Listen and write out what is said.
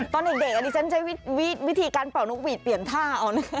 ตอนเด็กอันนี้ฉันใช้วิธีการเป่านกหวีดเปลี่ยนท่าเอานะ